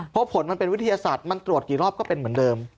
เพราะผลมันเป็นวิทยาศาสตร์มันตรวจกี่รอบก็เป็นเหมือนเดิม